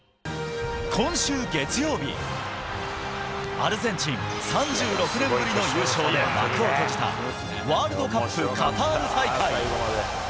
アルゼンチン、３６年ぶりの優勝で幕を閉じた、ワールドカップカタール大会。